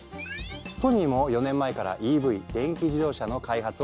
ソニーも４年前からＥＶ電気自動車の開発をスタート。